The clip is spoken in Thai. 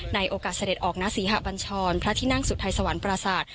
ในโอกาสเสด็จออกณศรีหะบัญชรพระที่นั่งสุทัยสวรรค์ปราศาสตร์